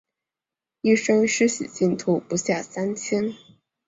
一生施洗信徒不下三千。